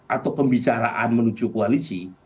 atau pembicaraan menuju koalisi